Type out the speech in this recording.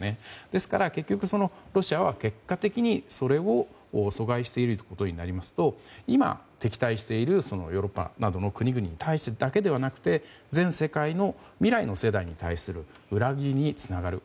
ですから結局、ロシアは結果的にそれを阻害していることになりますと今、敵対しているヨーロッパなどの国々に対してだけでなく全世界の未来の世代に対する裏切りにつながる。